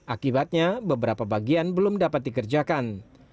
akibatnya beberapa bagian belum dapat dikerjakan